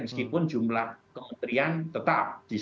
meskipun jumlah kementerian itu masih banyak